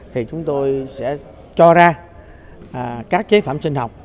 thì chúng tôi sẽ cho ra các chế phẩm sinh học